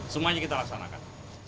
semuanya kita laksanakan